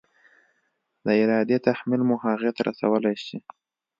د ارادې تحمیل مو هغې ته رسولی شي؟